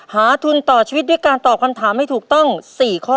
ทุนต่อชีวิตด้วยการตอบคำถามให้ถูกต้อง๔ข้อ